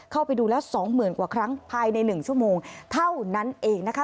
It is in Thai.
เข้าไปดูแล้วสองหมื่นกว่าครั้งภายใน๑ชั่วโมงเท่านั้นเองนะคะ